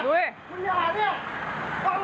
แล้วเดี๋ยวเล่าความคลิปกันก่อน